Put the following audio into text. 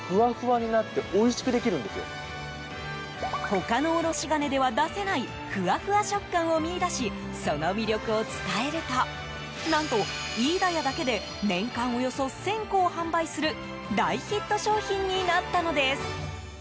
他のおろし金では出せないふわふわ食感を見いだしその魅力を伝えると何と、飯田屋だけで年間およそ１０００個を販売する大ヒット商品になったのです。